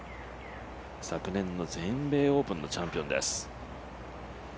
昨年の全米オープンのチャンピオンです。